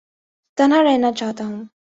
تنہا رہنا چاہتا ہوں